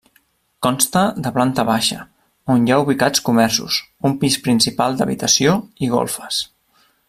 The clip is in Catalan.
Consta de planta baixa, on hi ha ubicats comerços, un pis principal d'habitació i golfes.